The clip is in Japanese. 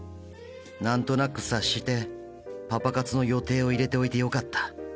何となく察してパパ活の予定を入れておいてよかった。